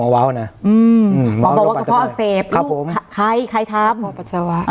คร้ายใครทำ